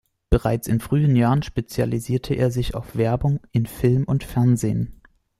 Bereits in frühen Jahren spezialisierte er sich auf Werbung in Film und Fernsehen.